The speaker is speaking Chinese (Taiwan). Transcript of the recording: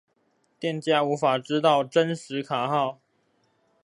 店家無法知道真實卡號